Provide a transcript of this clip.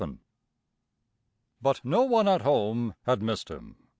XI But no one at home had missed him.